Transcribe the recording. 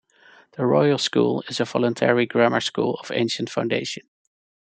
The Royal School is a voluntary grammar school of ancient foundation.